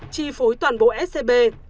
chi phối toàn bộ scb